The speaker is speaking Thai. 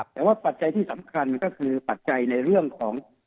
แต่ว่าปัจจัยที่สำคัญก็คือปัจจัยในเรื่องของ